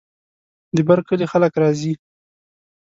د بر کلي خلک راځي.